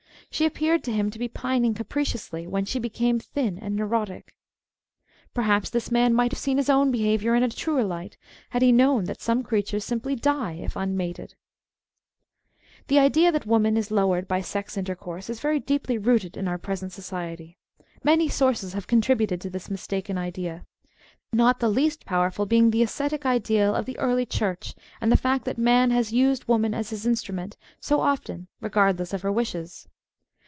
She appeared to him to be pining " capriciously " yvhen she became thin and neurotic. Perhaps this man might have seen his own be haviour in a truer light had he known that some creatures simply Ji? if unma ted (seep. 123 Appendix). The idea that woman is lowered by sex intercourse is very deeply rooted in our present society. Many sources have contributed to this mistaken idea, not the least powerful being the ascetic ideal of the early Church and the fact that man has used woman as his instrument so often regardless of her wishes.